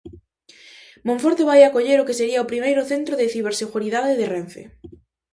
Monforte vai acoller o que sería o primeiro centro de ciberseguridade de Renfe.